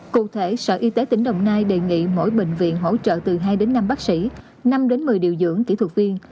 cụ thể sở y tế tỉnh đồng nai đề nghị mỗi bệnh viện hỗ trợ từ hai đến năm bác sĩ năm đến một mươi điều dưỡng kỹ thuật viên